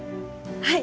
はい！